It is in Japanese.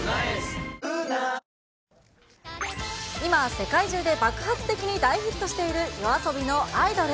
世界中で爆発的に大ヒットしているＹＯＡＳＯＢＩのアイドル。